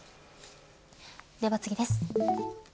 では、次です。